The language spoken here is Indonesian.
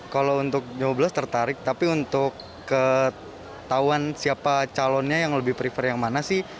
kalau untuk nyoblos tertarik tapi untuk ketahuan siapa calonnya yang lebih prefer yang mana sih